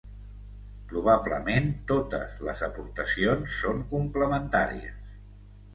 Probablement totes les aportacions són complementàries.